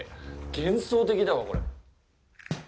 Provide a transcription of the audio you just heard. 幻想的だわ、これ。